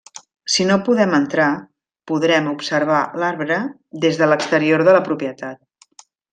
Si no podem entrar, podrem observar l'arbre des de l'exterior de la propietat.